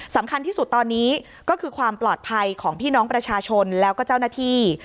สำคัญที่สุดตอนนี้ก็คือความปลอดภัยของพี่น้องประชาชนแล้วก็เจ้าหน้าที่